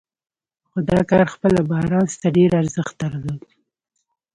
خو دا کار خپله بارنس ته ډېر ارزښت درلود.